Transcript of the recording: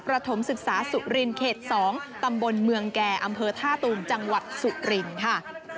ถมศึกษาสุรินเขต๒ตำบลเมืองแก่อำเภอท่าตูมจังหวัดสุรินค่ะ